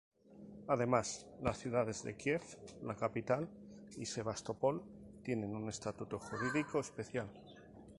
Además, las ciudades de Kiev, la capital, y Sebastopol tienen un estatuto jurídico especial.